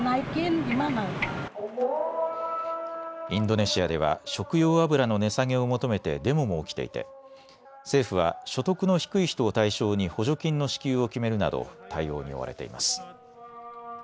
インドネシアでは食用油の値下げを求めてデモも起きていて政府は所得の低い人を対象に補助金の支給を決めるなど対応に追われています。